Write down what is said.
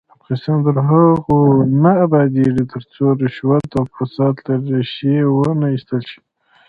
افغانستان تر هغو نه ابادیږي، ترڅو رشوت او فساد له ریښې ونه ایستل شي.